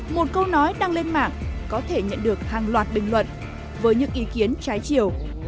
một câu nói đăng lên mạng có thể nhận được hàng loạt bình luận với những ý kiến trái chiều